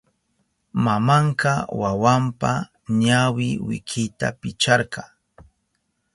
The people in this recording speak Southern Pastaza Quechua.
Mamanka wawanpa ñawi wikita picharka.